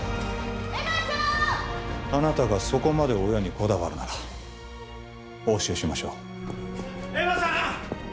あなたがそこまで親にこだわるならお教えしましょう恵茉さん！